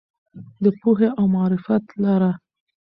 د پوهې او معرفت لاره.